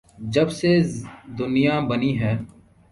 جب سے دنیا بنی ہے۔